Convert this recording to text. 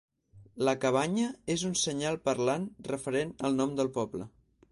La cabanya és un senyal parlant referent al nom del poble.